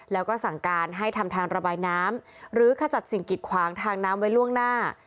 แล้วก็สั่งการให้ทำทางระบายน้ำหรือขจัดสิ่งกิดขวางทางน้ำไว้ล่วงหน้า